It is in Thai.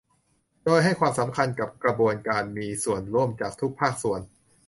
โดยให้ความสำคัญกับกระบวนการมีส่วนร่วมจากทุกภาคส่วน